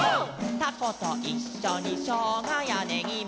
「たこといっしょにしょうがやねぎも」